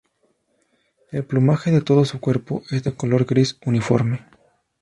El plumaje de todo su cuerpo es de color gris uniforme.